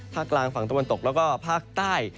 ภาคเกลางฝั่งตะวันตกและภาคใต้